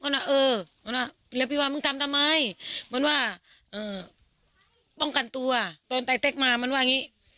แล้วพี่ว่ามึงทำทำไมมันว่าป้องกันตัวตอนไตเต็กมามันว่าอย่างนี้